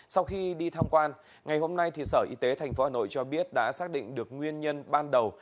sau khi đi tham quan ngày hôm nay sở y tế tp hà nội cho biết đã xác định được nguyên nhân ban đầu